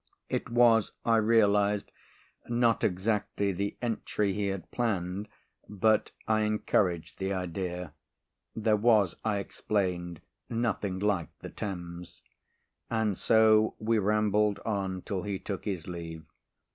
It was, I realised, not exactly the entry he had planned but I encouraged the idea. There was, I explained, nothing like the Thames. And so we rambled on till he took his leave.